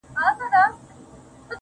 ه په سندرو کي دي مينه را ښودلې